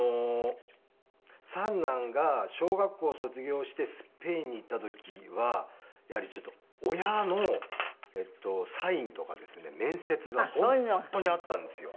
三男が小学校を卒業してスペインに行った時はやはり親のサインとかですね面接が本当にあったんですよ。